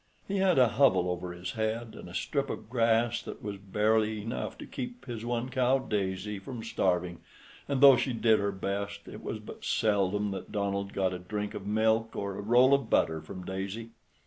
He had a hovel over his head and a strip of grass that was barely enough to keep his one cow, Daisy, from starving, and, though she did her best, it was but seldom that Donald got a drink of milk or a roll of butter from Daisy.